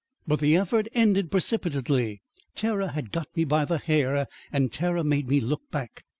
But the effort ended precipitately. Terror had got me by the hair, and terror made me look back.